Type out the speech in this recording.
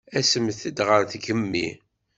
Asemt-d ɣer tgemmi.